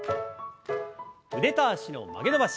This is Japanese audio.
腕と脚の曲げ伸ばし。